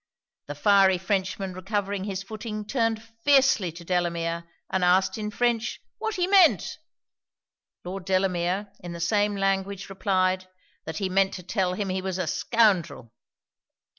The fiery Frenchman recovering his footing, turned fiercely to Delamere, and asked, in French, what he meant? Lord Delamere, in the same language, replied, that he meant to tell him he was a scoundrel!